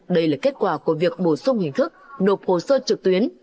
đây là kết quả của việc bổ sung hình thức nộp hồ sơ trực tuyến